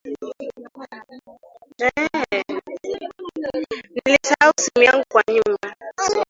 Nilisahau simu yangu kwa nyumba